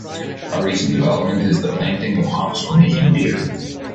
A Recent development is the planting of hops for making beer.